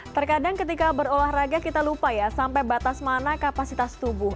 terkadang ketika berolahraga kita lupa ya sampai batas mana kapasitas tubuh